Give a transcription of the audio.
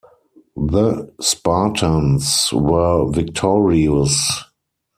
The Spartans were victorious.